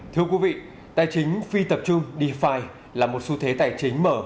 thưa quý vị tài chính phi tập trung dfi là một xu thế tài chính mở